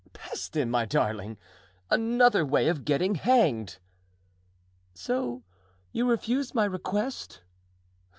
"Peste! my darling! another way of getting hanged." "So you refuse my request?"